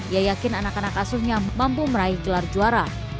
ia yakin anak anak asuhnya mampu meraih gelar juara